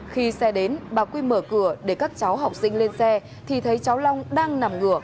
khi xe đến bà quy mở cửa để các cháu học sinh lên xe thì thấy cháu long đang nằm ngửa